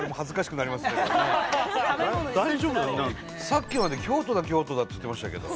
さっきまで「京都だ京都だ」って言ってましたけど。